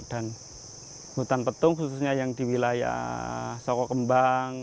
dan hutan petung khususnya yang di wilayah soko kembang